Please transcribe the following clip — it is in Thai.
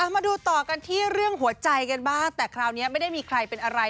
มาดูต่อกันที่เรื่องหัวใจกันบ้างแต่คราวนี้ไม่ได้มีใครเป็นอะไร